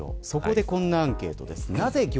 そこで、こんなアンケートです。